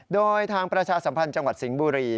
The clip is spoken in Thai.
โดยทางประชาสัมพันธ์จังหวัดสิงห์บุรี